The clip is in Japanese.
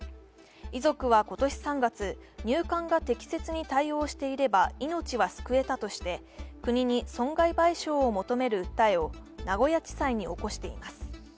遺族は今年３月、入管が適切に対応していれば命は救えたとして国に損害賠償を求める訴えを名古屋地裁に起こしています。